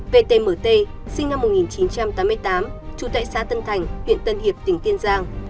vtmt sinh năm một nghìn chín trăm tám mươi tám trú tại xã tân thành huyện tân hiệp tỉnh kiên giang